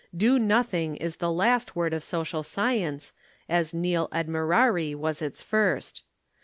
'Do nothing' is the last word of social science, as 'Nil admirari' was its first.